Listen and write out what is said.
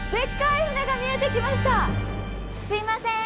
すいません！